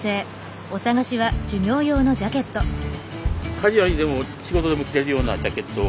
カジュアルにでも仕事でも着れるようなジャケットを。